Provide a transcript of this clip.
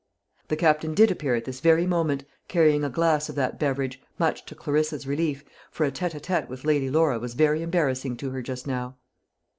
The Captain did appear at this very moment carrying a glass of that beverage, much to Clarissa's relief, for a tête à tête with Lady Laura was very embarrassing to her just now.